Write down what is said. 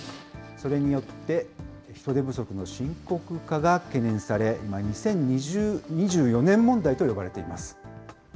それによって、人手不足の深刻化が懸念され、今、２０２４年問題と呼ばれています。